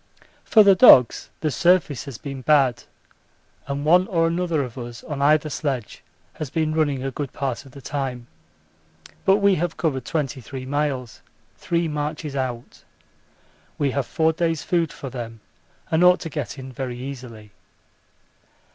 For the dogs the surface has been bad, and one or another of us on either sledge has been running a good part of the time. But we have covered 23 miles: three marches out. We have four days' food for them and ought to get in very easily.